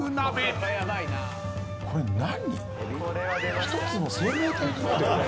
これ何！？